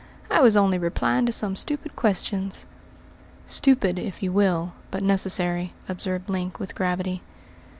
"I was only replying to some stupid questions." "Stupid, if you will, but necessary," observed Link, with gravity.